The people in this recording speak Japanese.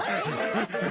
ハハハハ！